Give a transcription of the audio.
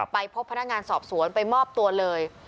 ไปพบพนักงานสอบสวนไปมอบตัวเลย